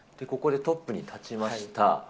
ここでトップに立ちました。